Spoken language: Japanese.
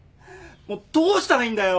もうどうしたらいいんだよ。